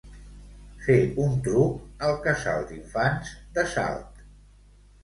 Fer un truc al casal d'infants de Salt.